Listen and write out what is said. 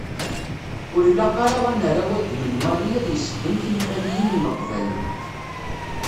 Ur ilaq ara ad nerr awadem n Mali ad yessexdem tinfaliyin n Leqbayel.